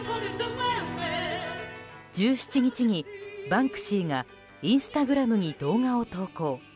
１７日に、バンクシーがインスタグラムに動画を投稿。